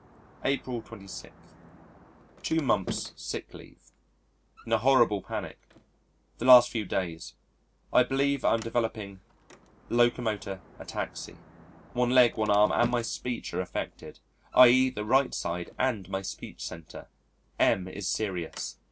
April 26. Two Months' Sick Leave In a horrible panic the last few days I believe I am developing locomotor ataxy. One leg, one arm, and my speech are affected, i.e. the right side and my speech centre. M is serious....